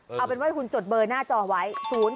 เอาเป็นว่าคุณจดเบอร์หน้าจอไว้๐๘๓๒๔๙๔๔๙๘